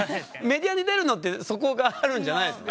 メディアに出るのってそこがあるんじゃないの？